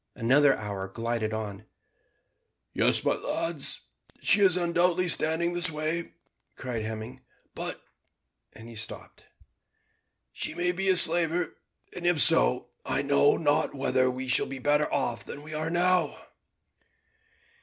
Another hour glided on. "Yes, my lads, she is undoubtedly standing this way," cried Hemming. "But " and he stopped. "She may be a slaver, and if so, I know not whether we should be better off than we now are."